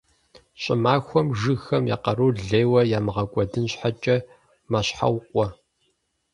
Щӏымахуэм жыгхэм я къарур лейуэ ямыгъэкӏуэдын щхьэкӏэ «мэщхьэукъуэ».